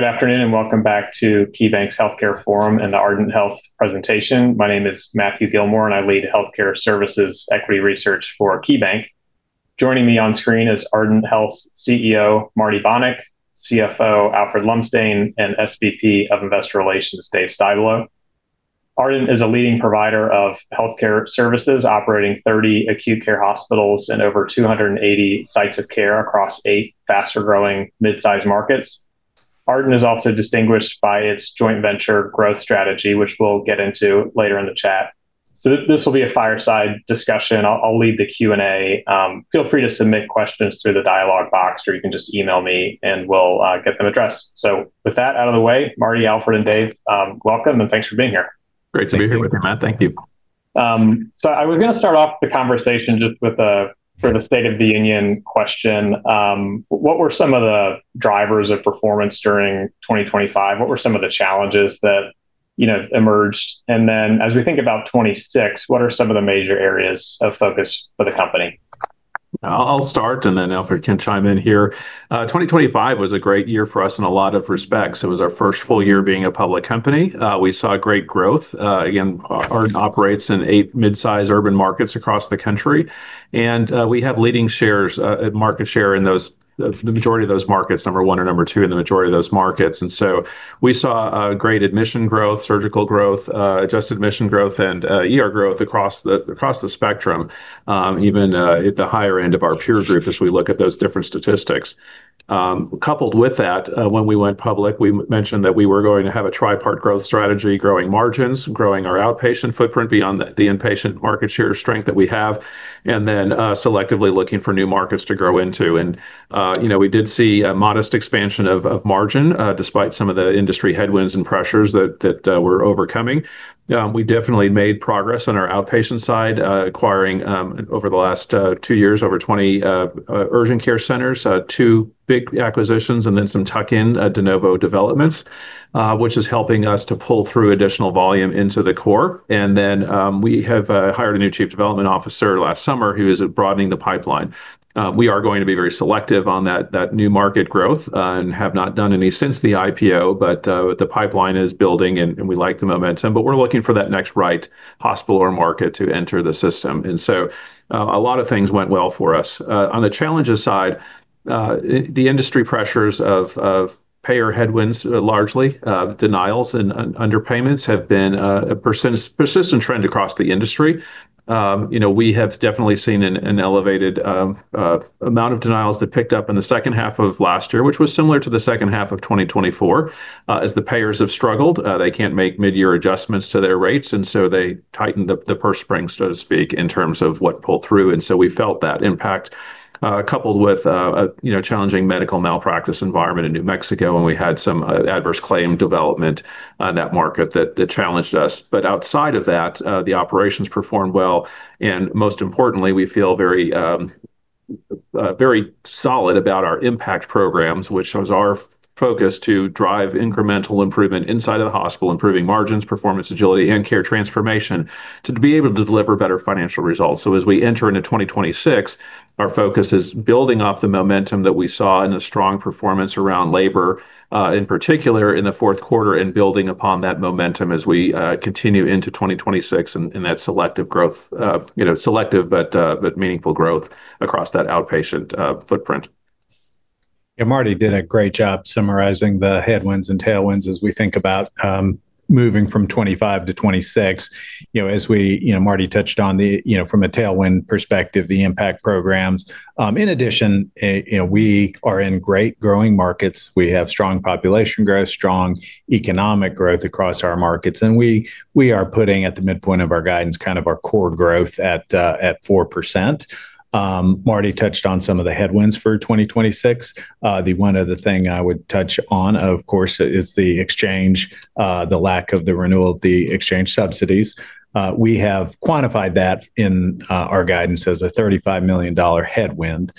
Good afternoon, and welcome back to KeyBanc's Healthcare Forum and the Ardent Health presentation. My name is Matthew Gilmore, and I lead Healthcare Services Equity Research for KeyBanc Capital Markets. Joining me on screen is Ardent Health's CEO, Marty Bonick, CFO, Alfred Lumsdaine, and SVP of Investor Relations, Dave Styblo. Ardent is a leading provider of healthcare services, operating 30 acute care hospitals and over 280 sites of care across 8 faster-growing mid-sized markets. Ardent is also distinguished by its joint venture growth strategy, which we'll get into later in the chat. This will be a fireside discussion. I'll lead the Q&A. Feel free to submit questions through the dialogue box, or you can just email me, and we'll get them addressed. With that out of the way, Marty, Alfred, and Dave, welcome, and thanks for being here. Great to be here with you, Matthew. Thank you. Thank you. I was gonna start off the conversation just with a sort of state of the union question. What were some of the drivers of performance during 2025? What were some of the challenges that, you know, emerged? And then as we think about 2026, what are some of the major areas of focus for the company? I'll start, and then Alfred can chime in here. 2025 was a great year for us in a lot of respects. It was our first full year being a public company. We saw great growth. Again, Ardent operates in eight mid-sized urban markets across the country. We have leading market share in the majority of those markets, number one or number two in the majority of those markets. We saw great admission growth, surgical growth, adjusted admission growth, and ER growth across the spectrum, even at the higher end of our peer group as we look at those different statistics. Coupled with that, when we went public, we mentioned that we were going to have a tripartite growth strategy, growing margins, growing our outpatient footprint beyond the inpatient market share strength that we have, and then, you know, we did see a modest expansion of margin, despite some of the industry headwinds and pressures that we're overcoming. We definitely made progress on our outpatient side, acquiring over the last two years, over 20 urgent care centers, two big acquisitions, and then some tuck-in de novo developments, which is helping us to pull through additional volume into the core. We have hired a new chief development officer last summer who is broadening the pipeline. We are going to be very selective on that new market growth, and have not done any since the IPO, but the pipeline is building and we like the momentum. We're looking for that next right hospital or market to enter the system. A lot of things went well for us. On the challenges side, the industry pressures of payer headwinds, largely denials and underpayments have been a persistent trend across the industry. You know, we have definitely seen an elevated amount of denials that picked up in the second half of last year, which was similar to the second half of 2024. As the payers have struggled, they can't make mid-year adjustments to their rates, and so they tightened the purse strings, so to speak, in terms of what pulled through. We felt that impact, coupled with a, you know, challenging medical malpractice environment in New Mexico, and we had some adverse claim development on that market that challenged us. Outside of that, the operations performed well, and most importantly, we feel very solid about our IMPACT programs, which was our focus to drive incremental improvement inside of the hospital, improving margins, performance, agility, and care transformation to be able to deliver better financial results. As we enter into 2026, our focus is building off the momentum that we saw and the strong performance around labor, in particular in the fourth quarter, and building upon that momentum as we continue into 2026 and that selective growth, you know, selective, but meaningful growth across that outpatient footprint. Yeah, Marty did a great job summarizing the headwinds and tailwinds as we think about moving from 2025 to 2026. You know, Marty touched on the, you know, from a tailwind perspective, the IMPACT programs. In addition, you know, we are in great growing markets. We have strong population growth, strong economic growth across our markets, and we are putting at the midpoint of our guidance kind of our core growth at 4%. Marty touched on some of the headwinds for 2026. The one other thing I would touch on, of course, is the exchange, the lack of the renewal of the exchange subsidies. We have quantified that in our guidance as a $35 million headwind.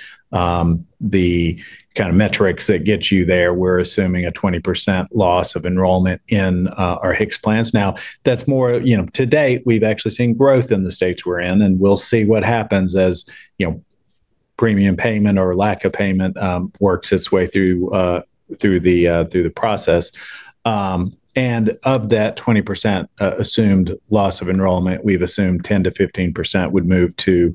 The kind of metrics that get you there, we're assuming a 20% loss of enrollment in our HIX plans. Now, that's more, you know, to date, we've actually seen growth in the states we're in, and we'll see what happens as, you know, premium payment or lack of payment works its way through the process. And of that 20%, assumed loss of enrollment, we've assumed 10%-15% would move to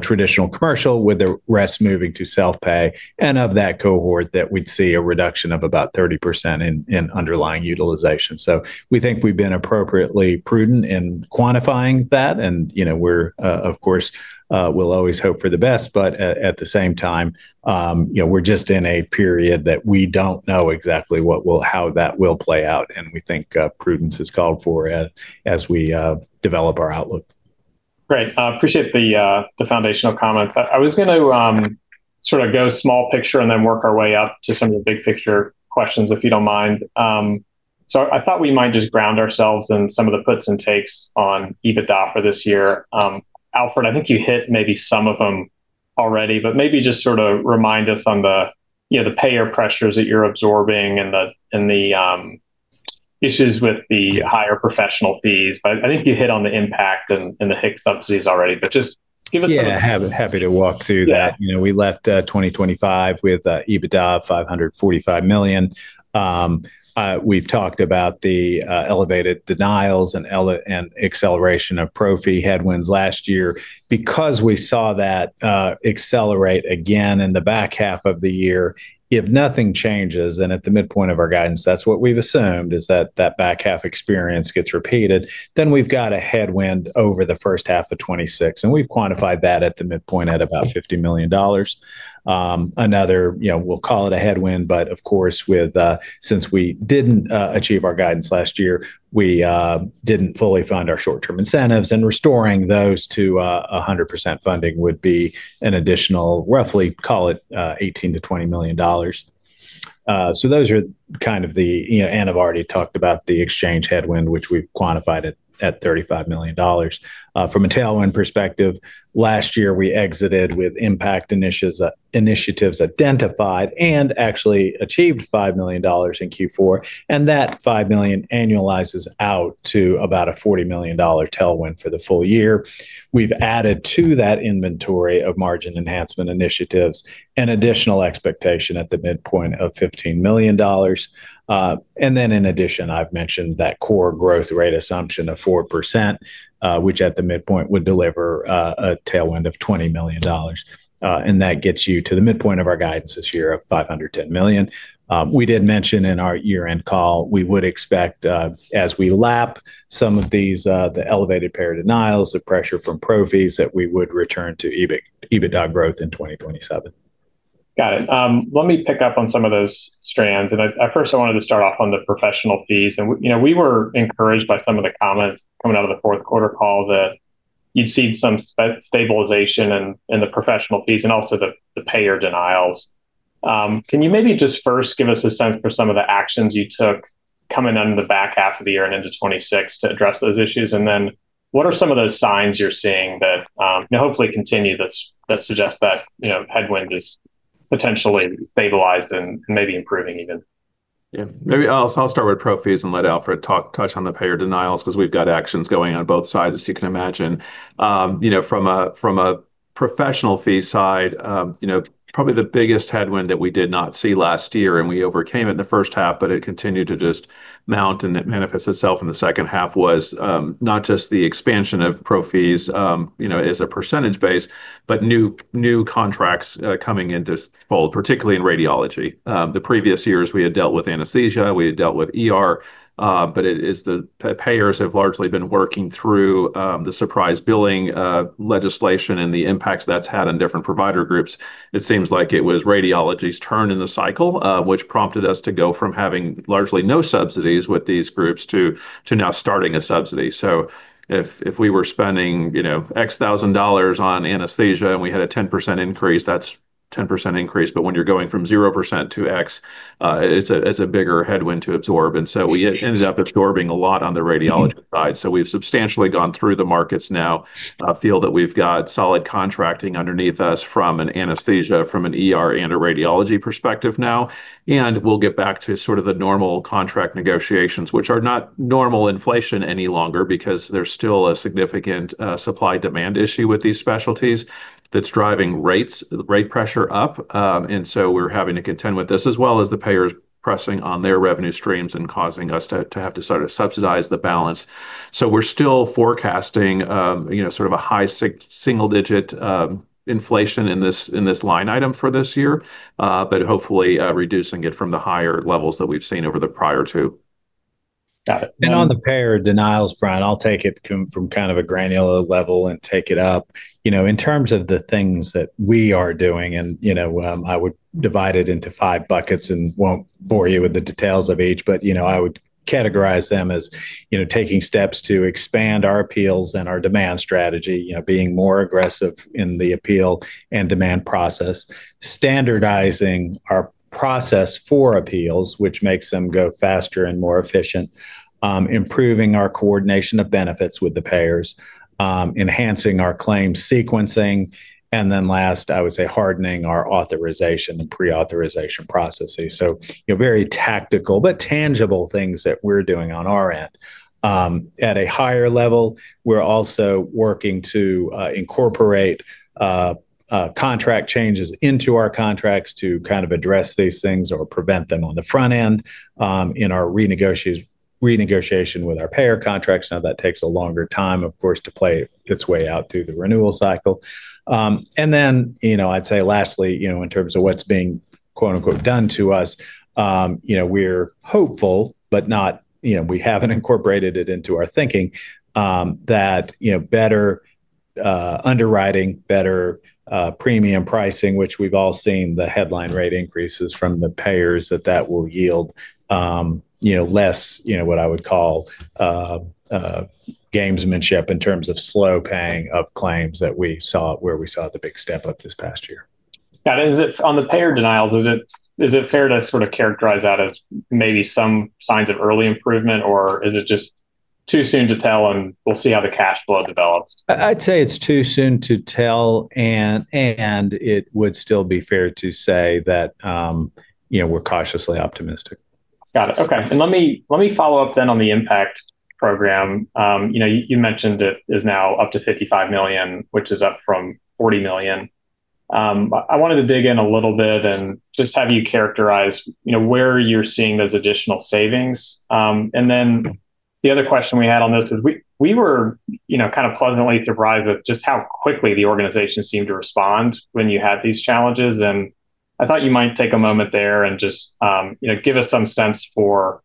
traditional commercial, with the rest moving to self-pay. Of that cohort, that we'd see a reduction of about 30% in underlying utilization. We think we've been appropriately prudent in quantifying that. You know, we're of course we'll always hope for the best, but at the same time, you know, we're just in a period that we don't know exactly how that will play out, and we think prudence is called for as we develop our outlook. Great. I appreciate the foundational comments. I was gonna sort of go small picture and then work our way up to some of the big picture questions, if you don't mind. So I thought we might just ground ourselves in some of the puts and takes on EBITDA for this year. Alfred, I think you hit maybe some of them already, but maybe just sort of remind us on the payer pressures that you're absorbing and the issues with the higher professional fees, but I think you hit on the IMPACT and the HIX subsidies already. Just give us some- Yeah, happy to walk through that. Yeah. You know, we left 2025 with EBITDA of $545 million. We've talked about the elevated denials and acceleration of pro fee headwinds last year. Because we saw that accelerate again in the back half of the year, if nothing changes, and at the midpoint of our guidance, that's what we've assumed, is that that back half experience gets repeated, then we've got a headwind over the first half of 2026, and we've quantified that at the midpoint at about $50 million. Another, you know, we'll call it a headwind, but of course, since we didn't achieve our guidance last year, we didn't fully fund our short-term incentives, and restoring those to 100% funding would be an additional roughly, call it, $18 million-$20 million. Those are kind of the. You know, I've already talked about the exchange headwind, which we've quantified it at $35 million. From a tailwind perspective, last year we exited with IMPACT initiatives identified and actually achieved $5 million in Q4, and that $5 million annualizes out to about a $40 million tailwind for the full year. We've added to that inventory of margin enhancement initiatives an additional expectation at the midpoint of $15 million. In addition, I've mentioned that core growth rate assumption of 4%, which at the midpoint would deliver a tailwind of $20 million. That gets you to the midpoint of our guidance this year of $510 million. We did mention in our year-end call, we would expect, as we lap some of these, the elevated payer denials, the pressure from pro fees, that we would return to EBITDA growth in 2027. Got it. Let me pick up on some of those strands. I first wanted to start off on the professional fees. You know, we were encouraged by some of the comments coming out of the fourth quarter call that you'd seen some stabilization in the professional fees and also the payer denials. Can you maybe just first give us a sense for some of the actions you took coming into the back half of the year and into 2026 to address those issues? Then what are some of those signs you're seeing that hopefully continue that suggest that, you know, headwind is potentially stabilized and maybe improving even? Yeah. Maybe I'll start with pro fees and let Alfred talk, touch on the payer denials, 'cause we've got actions going on both sides, as you can imagine. You know, from a professional fee side, you know, probably the biggest headwind that we did not see last year and we overcame it in the first half, but it continued to just mount and it manifests itself in the second half was not just the expansion of pro fees, you know, as a percentage base, but new contracts coming into fold, particularly in radiology. The previous years, we had dealt with anesthesia, we had dealt with ER, but it is the payers have largely been working through the surprise billing legislation and the impacts that's had on different provider groups. It seems like it was radiology's turn in the cycle, which prompted us to go from having largely no subsidies with these groups to now starting a subsidy. If we were spending, you know, $X thousand on anesthesia and we had a 10% increase, that's 10% increase. When you're going from 0% to X%, it's a bigger headwind to absorb. We ended up absorbing a lot on the radiology side. We've substantially gone through the markets now, feel that we've got solid contracting underneath us from an anesthesia, from an ER, and a radiology perspective now, and we'll get back to sort of the normal contract negotiations, which are not normal inflation any longer because there's still a significant supply-demand issue with these specialties that's driving rate pressure up, and we're having to contend with this, as well as the payers pressing on their revenue streams and causing us to have to sort of subsidize the balance. We're still forecasting, you know, sort of a high single-digit inflation in this line item for this year, but hopefully reducing it from the higher levels that we've seen over the prior two. On the payer denials, Matthew, I'll take it from kind of a granular level and take it up. You know, in terms of the things that we are doing, and, you know, I would divide it into five buckets and won't bore you with the details of each, but, you know, I would categorize them as, you know, taking steps to expand our appeals and our demand strategy, you know, being more aggressive in the appeal and demand process, standardizing our process for appeals, which makes them go faster and more efficient, improving our coordination of benefits with the payers, enhancing our claims sequencing, and then last, I would say hardening our authorization, pre-authorization processes. You know, very tactical but tangible things that we're doing on our end. At a higher level, we're also working to incorporate contract changes into our contracts to kind of address these things or prevent them on the front end, in our renegotiation with our payer contracts. Now, that takes a longer time, of course, to play its way out through the renewal cycle. You know, I'd say lastly, you know, in terms of what's being, quote-unquote, "done to us," you know, we're hopeful, but not, you know, we haven't incorporated it into our thinking, that, you know, better underwriting, better premium pricing, which we've all seen the headline rate increases from the payers, that will yield, you know, less, you know, what I would call gamesmanship in terms of slow paying of claims that we saw the big step-up this past year. Got it. On the payer denials, is it fair to sort of characterize that as maybe some signs of early improvement, or is it just too soon to tell, and we'll see how the cash flow develops. I'd say it's too soon to tell, and it would still be fair to say that, you know, we're cautiously optimistic. Got it. Okay. Let me follow up then on the IMPACT program. You know, you mentioned it is now up to $55 million, which is up from $40 million. I wanted to dig in a little bit and just have you characterize, you know, where you're seeing those additional savings. Then the other question we had on this is we were, you know, kind of pleasantly surprised at just how quickly the organization seemed to respond when you had these challenges, and I thought you might take a moment there and just, you know, give us some sense for,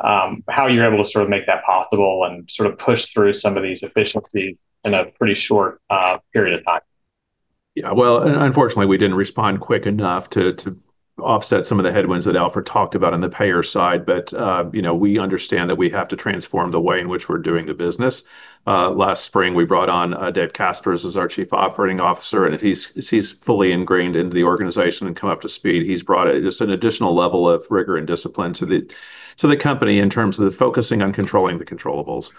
how you're able to sort of make that possible and sort of push through some of these efficiencies in a pretty short, period of time. Yeah. Well, unfortunately, we didn't respond quick enough to offset some of the headwinds that Alfred talked about on the payer side. You know, we understand that we have to transform the way in which we're doing the business. Last spring, we brought on Dave Caspers as our Chief Operating Officer, and he's fully ingrained into the organization and come up to speed. He's brought just an additional level of rigor and discipline to the company in terms of the focusing on controlling the controllables.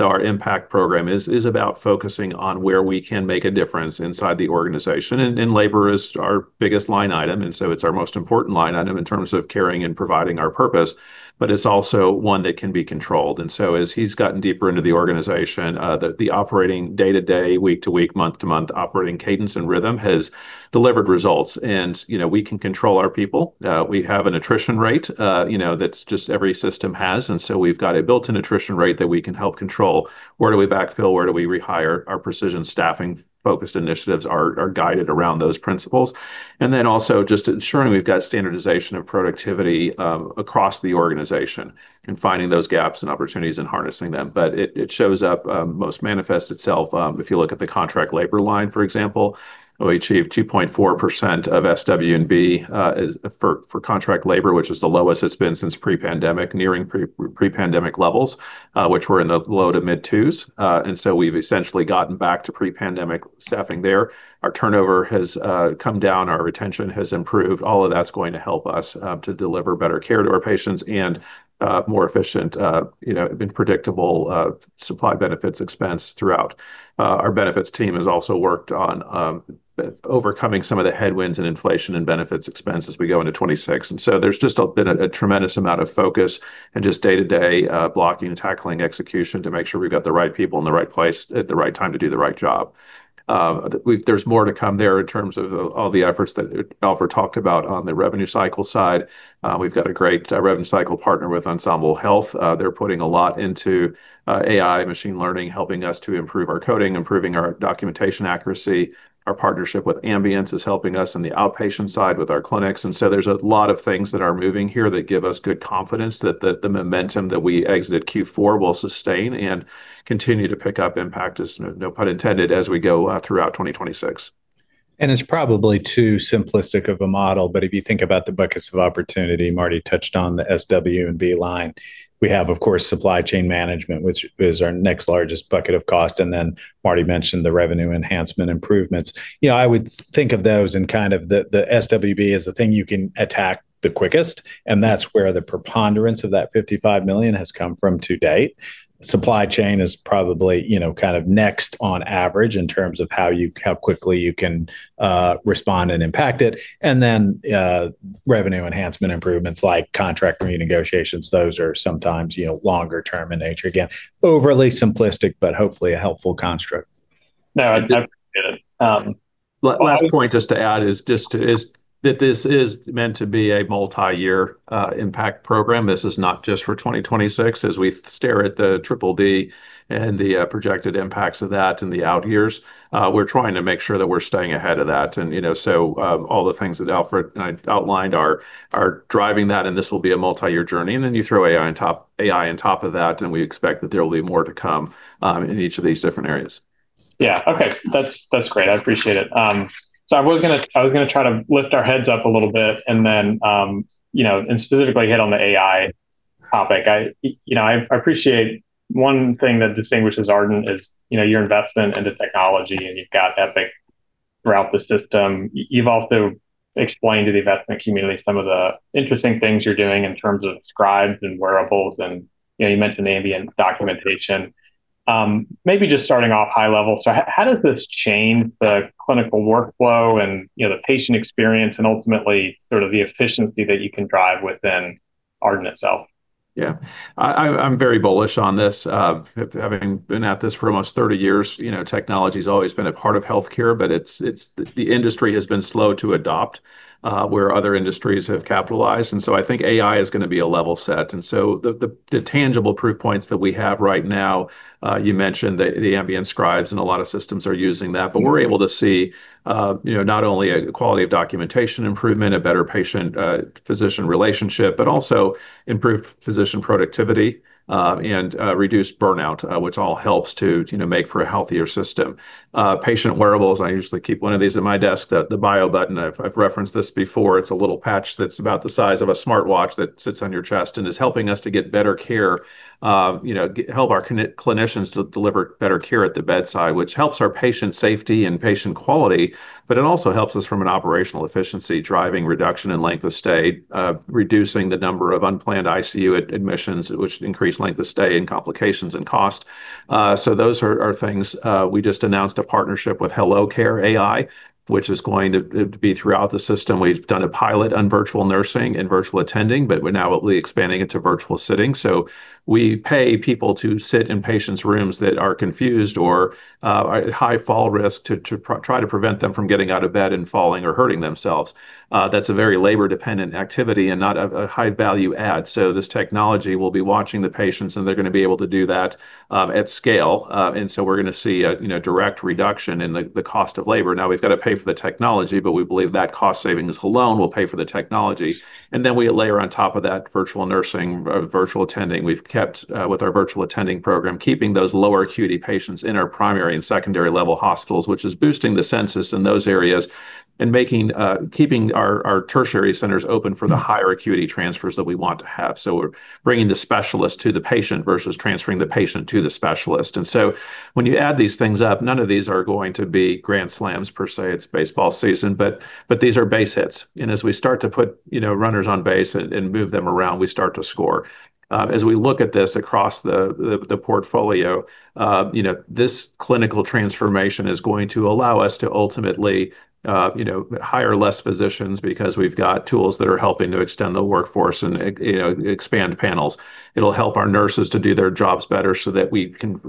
Our IMPACT program is about focusing on where we can make a difference inside the organization. Labor is our biggest line item, and so it's our most important line item in terms of caring and providing our purpose, but it's also one that can be controlled. As he's gotten deeper into the organization, the operating day to day, week to week, month to month operating cadence and rhythm has delivered results. You know, we can control our people. We have an attrition rate, you know, that's just every system has, so we've got a built-in attrition rate that we can help control. Where do we backfill? Where do we rehire? Our precision staffing focused initiatives are guided around those principles. Then also just ensuring we've got standardization of productivity across the organization and finding those gaps and opportunities and harnessing them. It shows up most manifests itself if you look at the contract labor line, for example. We achieved 2.4% of SW&B for contract labor, which is the lowest it's been since pre-pandemic, nearing pre-pandemic levels, which were in the low-to-mid twos. We've essentially gotten back to pre-pandemic staffing there. Our turnover has come down, our retention has improved. All of that's going to help us to deliver better care to our patients and more efficient, you know, and predictable supply benefits expense throughout. Our benefits team has also worked on overcoming some of the headwinds and inflation and benefits expense as we go into 2026. There's just been a tremendous amount of focus and just day-to-day blocking and tackling execution to make sure we've got the right people in the right place at the right time to do the right job. There's more to come there in terms of all the efforts that Alfred talked about on the revenue cycle side. We've got a great revenue cycle partner with Ensemble Health. They're putting a lot into AI machine learning, helping us to improve our coding, improving our documentation accuracy. Our partnership with Ambience is helping us on the outpatient side with our clinics. There's a lot of things that are moving here that give us good confidence that the momentum that we exited Q4 will sustain and continue to pick up IMPACT, no pun intended, as we go throughout 2026. It's probably too simplistic of a model. If you think about the buckets of opportunity, Marty touched on the SW&B line. We have, of course, supply chain management, which is our next largest bucket of cost. Then Marty mentioned the revenue enhancement improvements. You know, I would think of those in kind of the SW&B as the thing you can attack the quickest, and that's where the preponderance of that $55 million has come from to date. Supply chain is probably, you know, kind of next on average in terms of how quickly you can respond and impact it. Then revenue enhancement improvements like contract renegotiations, those are sometimes, you know, longer term in nature. Overly simplistic, but hopefully a helpful construct. No, I appreciate it. Last point just to add is that this is meant to be a multi-year IMPACT program. This is not just for 2026. As we stare at the BBB and the projected impacts of that in the out years, we're trying to make sure that we're staying ahead of that. All the things that Alfred and I outlined are driving that, and this will be a multi-year journey. You throw AI on top of that, and we expect that there will be more to come in each of these different areas. Yeah. Okay. That's great. I appreciate it. I was gonna try to lift our heads up a little bit and then, you know, and specifically hit on the AI topic. You know, I appreciate one thing that distinguishes Ardent is, you know, your investment into technology, and you've got Epic throughout the system. You've also explained to the investment community some of the interesting things you're doing in terms of scribes and wearables. You know, you mentioned Ambience documentation. Maybe just starting off high level. How does this change the clinical workflow and, you know, the patient experience and ultimately sort of the efficiency that you can drive within Ardent itself? Yeah. I'm very bullish on this. Having been at this for almost 30 years, you know, technology's always been a part of healthcare, but the industry has been slow to adopt where other industries have capitalized. I think AI is gonna be a level set. The tangible proof points that we have right now, you mentioned the Ambient scribes, and a lot of systems are using that. We're able to see, you know, not only a quality of documentation improvement, a better patient-physician relationship, but also improved physician productivity and reduced burnout, which all helps to, you know, make for a healthier system. Patient wearables, and I usually keep one of these at my desk, the BioButton. I've referenced this before. It's a little patch that's about the size of a smartwatch that sits on your chest and is helping us to get better care, help our clinicians to deliver better care at the bedside, which helps our patient safety and patient quality, but it also helps us from an operational efficiency, driving reduction in length of stay, reducing the number of unplanned ICU admissions, which increase length of stay and complications and cost. Those are things. We just announced a partnership with hellocare.ai, which is going to be throughout the system. We've done a pilot on virtual nursing and virtual attending, but we're now expanding it to virtual sitting. We pay people to sit in patients' rooms that are confused or at high fall risk to try to prevent them from getting out of bed and falling or hurting themselves. That's a very labor-dependent activity and not a high-value add. This technology will be watching the patients, and they're gonna be able to do that at scale. We're gonna see a, you know, direct reduction in the cost of labor. Now, we've got to pay for the technology, but we believe that cost savings alone will pay for the technology. Then we layer on top of that virtual nursing, virtual attending. We've kept with our virtual attending program, keeping those lower acuity patients in our primary and secondary level hospitals, which is boosting the census in those areas and keeping our tertiary centers open for the higher acuity transfers that we want to have. We're bringing the specialist to the patient versus transferring the patient to the specialist. When you add these things up, none of these are going to be grand slams per se. It's baseball season, but these are base hits. As we start to put you know runners on base and move them around, we start to score. As we look at this across the portfolio, you know, this clinical transformation is going to allow us to ultimately, you know, hire less physicians because we've got tools that are helping to extend the workforce and, you know, expand panels. It'll help our nurses to do their jobs better so that we can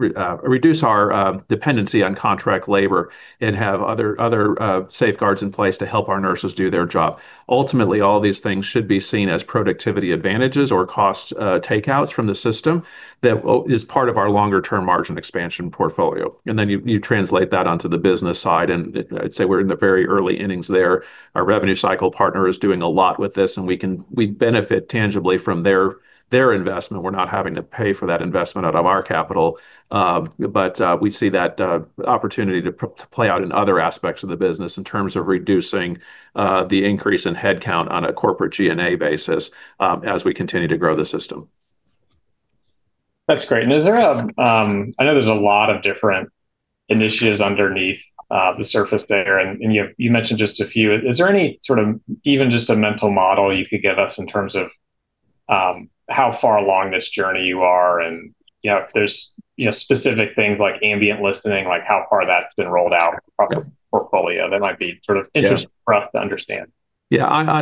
reduce our dependency on contract labor and have other safeguards in place to help our nurses do their job. Ultimately, all these things should be seen as productivity advantages or cost takeouts from the system that is part of our longer-term margin expansion portfolio. Then you translate that onto the business side, and I'd say we're in the very early innings there. Our revenue cycle partner is doing a lot with this, and we benefit tangibly from their investment. We're not having to pay for that investment out of our capital. We see that opportunity to play out in other aspects of the business in terms of reducing the increase in headcount on a corporate G&A basis, as we continue to grow the system. That's great. I know there's a lot of different initiatives underneath the surface there, and you mentioned just a few. Is there any sort of even just a mental model you could give us in terms of how far along this journey you are and, you know, if there's, you know, specific things like Ambience listening, like how far that's been rolled out? Okay Across the portfolio that might be sort of. Yeah Interesting for us to understand. Yeah. On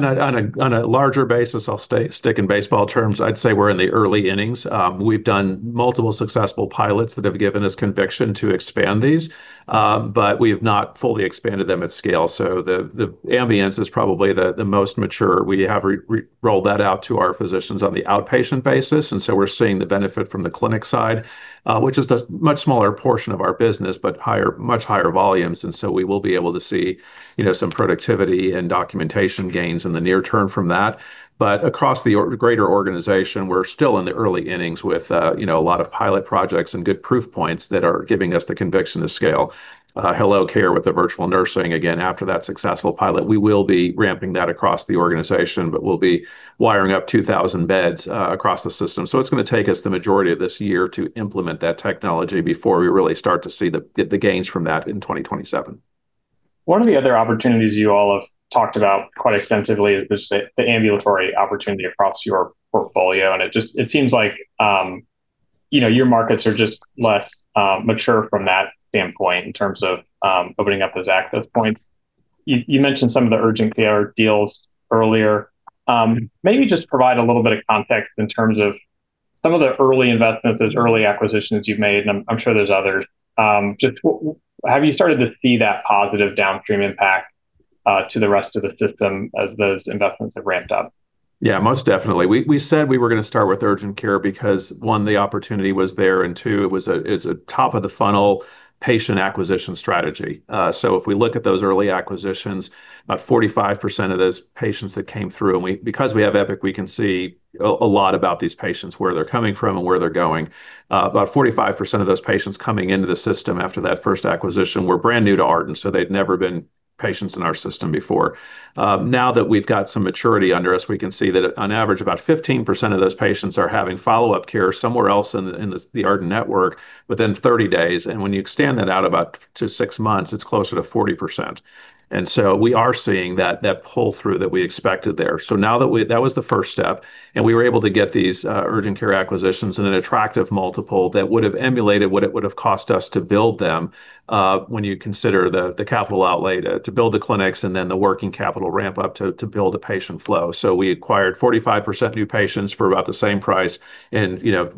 a larger basis, I'll stick in baseball terms, I'd say we're in the early innings. We've done multiple successful pilots that have given us conviction to expand these, but we have not fully expanded them at scale. The Ambience is probably the most mature. We have re-rolled that out to our physicians on the outpatient basis, and so we're seeing the benefit from the clinic side, which is the much smaller portion of our business, but higher, much higher volumes. We will be able to see, you know, some productivity and documentation gains in the near term from that. Across the greater organization, we're still in the early innings with, you know, a lot of pilot projects and good proof points that are giving us the conviction to scale. hellocare.ai with the virtual nursing, again, after that successful pilot, we will be ramping that across the organization, but we'll be wiring up 2,000 beds across the system. It's gonna take us the majority of this year to implement that technology before we really start to see the gains from that in 2027. One of the other opportunities you all have talked about quite extensively is just the ambulatory opportunity across your portfolio, and it seems like, you know, your markets are just less mature from that standpoint in terms of opening up those access points. You mentioned some of the urgent care deals earlier. Maybe just provide a little bit of context in terms of some of the early investments, those early acquisitions you've made, and I'm sure there's others. Just have you started to see that positive downstream impact to the rest of the system as those investments have ramped up? Yeah, most definitely. We said we were gonna start with urgent care because, one, the opportunity was there, and two, it's a top-of-the-funnel patient acquisition strategy. If we look at those early acquisitions, about 45% of those patients that came through, because we have Epic, we can see a lot about these patients, where they're coming from and where they're going. About 45% of those patients coming into the system after that first acquisition were brand new to Ardent, so they'd never been patients in our system before. Now that we've got some maturity under us, we can see that on average about 15% of those patients are having follow-up care somewhere else in the Ardent network within 30 days. When you extend that out to about six months, it's closer to 40%. We are seeing that pull-through that we expected there. Now that was the first step, and we were able to get these urgent care acquisitions in an attractive multiple that would have emulated what it would have cost us to build them, when you consider the capital outlay to build the clinics and then the working capital ramp up to build a patient flow. We acquired 45% new patients for about the same price and, you know,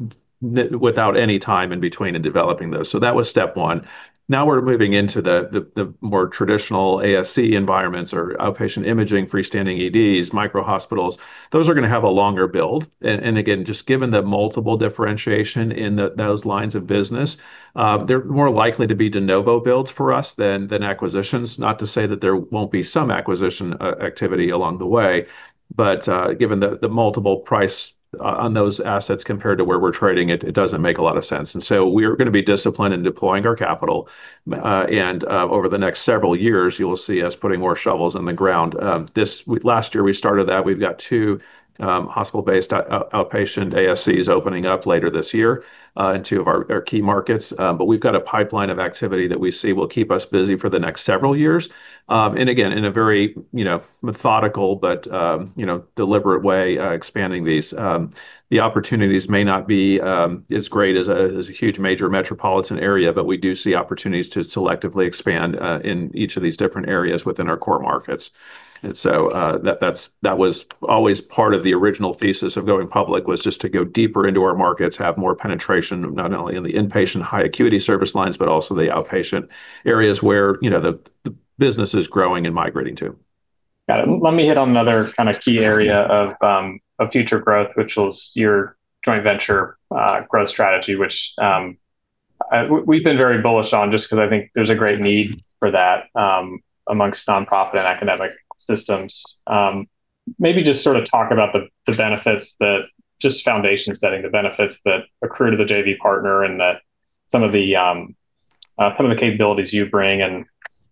without any time in between in developing those. That was step one. Now we're moving into the more traditional ASC environments or outpatient imaging, freestanding EDs, micro hospitals. Those are gonna have a longer build. Again, just given the multiple differentiation in those lines of business, they're more likely to be de novo builds for us than acquisitions. Not to say that there won't be some acquisition activity along the way, but given the multiple pricing on those assets compared to where we're trading, it doesn't make a lot of sense. We're gonna be disciplined in deploying our capital. Over the next several years, you'll see us putting more shovels in the ground. Last year we started that. We've got two hospital-based outpatient ASCs opening up later this year in two of our key markets. We've got a pipeline of activity that we see will keep us busy for the next several years. Again, in a very, you know, methodical, but, you know, deliberate way, expanding these. The opportunities may not be as great as a huge major metropolitan area, but we do see opportunities to selectively expand in each of these different areas within our core markets. That was always part of the original thesis of going public was just to go deeper into our markets, have more penetration, not only in the inpatient high acuity service lines, but also the outpatient areas where, you know, the business is growing and migrating to. Got it. Let me hit on another kinda key area of future growth, which was your joint venture growth strategy, which we've been very bullish on just 'cause I think there's a great need for that amongst nonprofit and academic systems. Maybe just sort of talk about the benefits that just foundation setting, the benefits that accrue to the JV partner and some of the capabilities you bring and,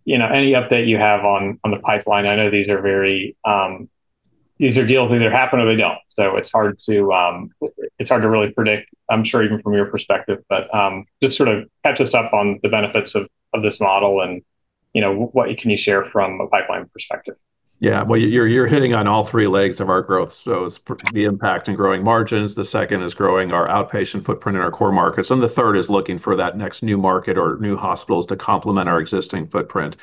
you know, any update you have on the pipeline. I know these are deals either happen or they don't. It's hard to really predict, I'm sure even from your perspective. Just sort of catch us up on the benefits of this model and, you know, what can you share from a pipeline perspective? Yeah. Well, you're hitting on all three legs of our growth. It's the impact in growing margins, the second is growing our outpatient footprint in our core markets, and the third is looking for that next new market or new hospitals to complement our existing footprint.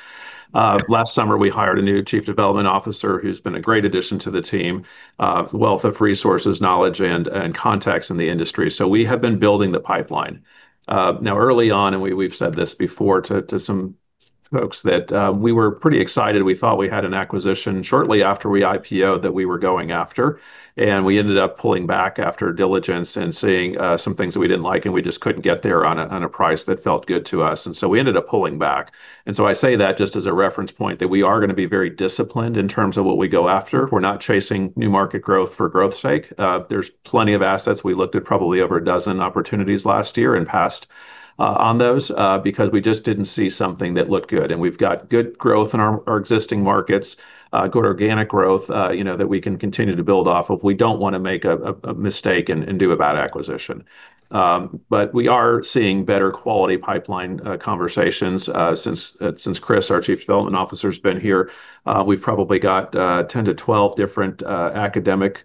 Last summer we hired a new chief development officer who's been a great addition to the team. Wealth of resources, knowledge, and contacts in the industry. We have been building the pipeline. Now early on, we've said this before to some folks that we were pretty excited. We thought we had an acquisition shortly after we IPO'd that we were going after, and we ended up pulling back after diligence and seeing some things that we didn't like, and we just couldn't get there on a price that felt good to us. We ended up pulling back. I say that just as a reference point that we are gonna be very disciplined in terms of what we go after. We're not chasing new market growth for growth's sake. There's plenty of assets. We looked at probably over a dozen opportunities last year and passed on those because we just didn't see something that looked good. We've got good growth in our existing markets, good organic growth, you know, that we can continue to build off of. We don't wanna make a mistake and do a bad acquisition. But we are seeing better quality pipeline conversations since Chris, our Chief Development Officer, has been here. We've probably got 10-12 different academic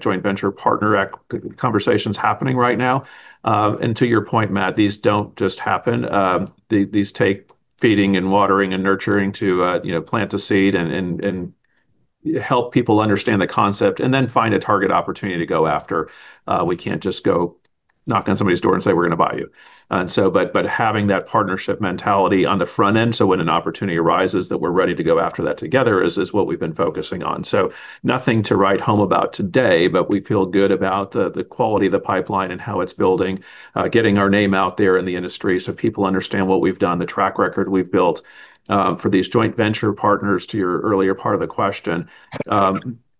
joint venture partner conversations happening right now. To your point, Matt, these don't just happen. These take feeding and watering and nurturing to you know, plant a seed and help people understand the concept and then find a target opportunity to go after. We can't just go knock on somebody's door and say, "We're gonna buy you." Having that partnership mentality on the front end, so when an opportunity arises that we're ready to go after that together is what we've been focusing on. Nothing to write home about today, but we feel good about the quality of the pipeline and how it's building, getting our name out there in the industry so people understand what we've done, the track record we've built, for these joint venture partners to your earlier part of the question.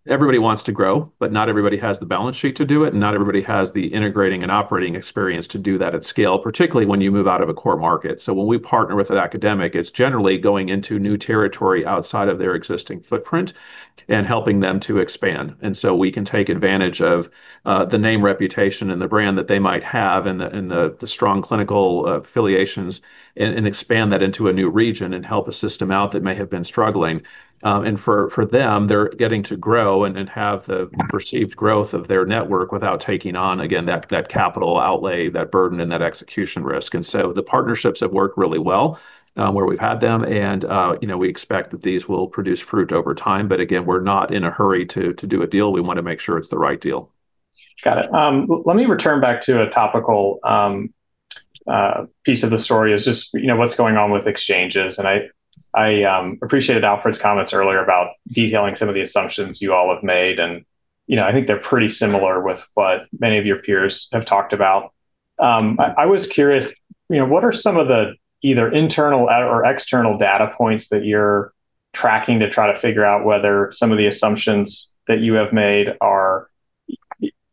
Everybody wants to grow, but not everybody has the balance sheet to do it, and not everybody has the integrating and operating experience to do that at scale, particularly when you move out of a core market. So when we partner with an academic, it's generally going into new territory outside of their existing footprint and helping them to expand. We can take advantage of the name, reputation, and the brand that they might have and the strong clinical affiliations and expand that into a new region and help a system out that may have been struggling. For them, they're getting to grow and then have the perceived growth of their network without taking on, again, that capital outlay, that burden, and that execution risk. The partnerships have worked really well, where we've had them and you know, we expect that these will produce fruit over time. Again, we're not in a hurry to do a deal. We wanna make sure it's the right deal. Got it. Let me return back to a topical piece of the story is just, you know, what's going on with exchanges. I appreciated Alfred's comments earlier about detailing some of the assumptions you all have made. You know, I think they're pretty similar with what many of your peers have talked about. I was curious, you know, what are some of the either internal or external data points that you're tracking to try to figure out whether some of the assumptions that you have made are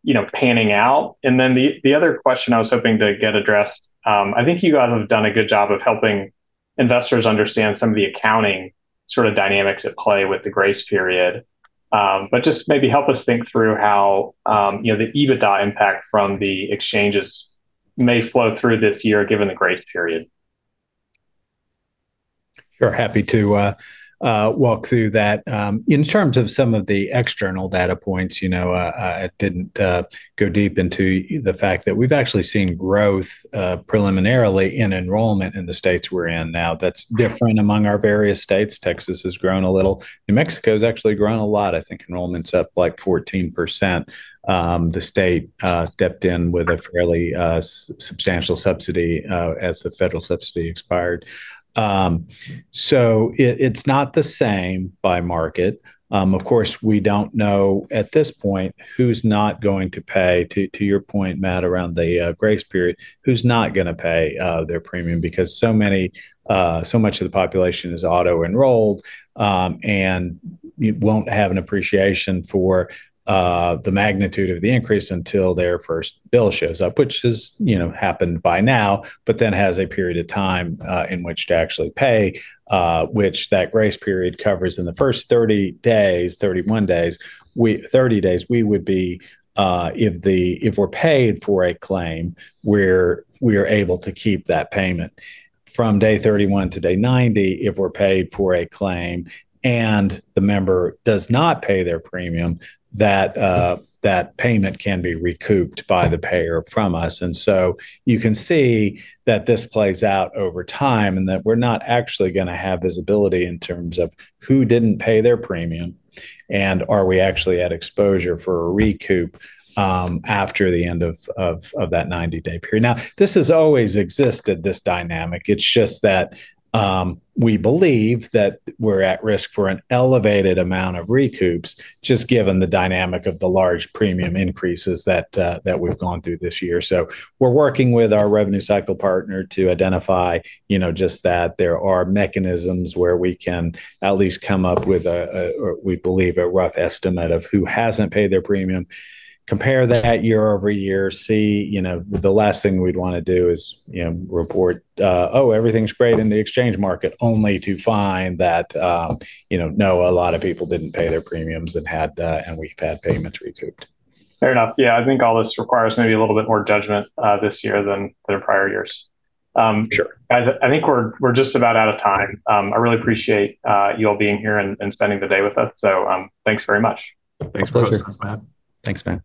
you know, panning out. Then the other question I was hoping to get addressed, I think you guys have done a good job of helping investors understand some of the accounting sort of dynamics at play with the grace period. Just maybe help us think through how, you know, the EBITDA impact from the exchanges may flow through this year given the grace period. Sure. Happy to walk through that. In terms of some of the external data points, you know, I didn't go deep into the fact that we've actually seen growth preliminarily in enrollment in the states we're in now. That's different among our various states. Texas has grown a little. New Mexico's actually grown a lot. I think enrollment's up, like, 14%. The state stepped in with a fairly substantial subsidy as the federal subsidy expired. It's not the same by market. Of course, we don't know at this point who's not going to pay, to your point, Matt, around the grace period, who's not gonna pay their premium because so much of the population is auto-enrolled, and you won't have an appreciation for the magnitude of the increase until their first bill shows up, which has, you know, happened by now, but then has a period of time in which to actually pay, which that grace period covers in the first 30 days, we would be if we're paid for a claim, we are able to keep that payment. From day 31 to day 90, if we're paid for a claim and the member does not pay their premium, that payment can be recouped by the payer from us. You can see that this plays out over time and that we're not actually gonna have visibility in terms of who didn't pay their premium and are we actually at exposure for a recoup, after the end of that 90-day period. Now, this has always existed, this dynamic. It's just that, we believe that we're at risk for an elevated amount of recoups, just given the dynamic of the large premium increases that we've gone through this year. We're working with our revenue cycle partner to identify, you know, just that there are mechanisms where we can at least come up with a, or we believe a rough estimate of who hasn't paid their premium, compare that year-over-year, see, you know, the last thing we'd wanna do is, you know, report, "Oh, everything's great in the exchange market," only to find that, you know, no, a lot of people didn't pay their premiums and had, and we've had payments recouped. Fair enough. Yeah. I think all this requires maybe a little bit more judgment, this year than the prior years. Sure. I think we're just about out of time. I really appreciate you all being here and spending the day with us. Thanks very much. My pleasure. Thanks for hosting us, Matthew. Thanks, Matthew.